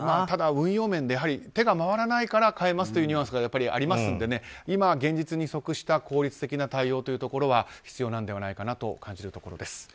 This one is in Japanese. ただ、運用面で手が回らないから変えますというニュアンスがありますので今現実に即した効率的な対応というところは必要なのではないかと感じるところです。